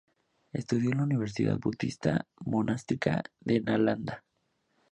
Estudió en la universidad budista monástica de Nalanda.